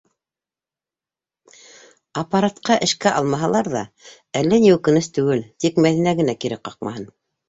Аппаратҡа эшкә алмаһалар ҙа, әллә ни үкенес түгел, тик Мәҙинә генә кире ҡаҡмаһын.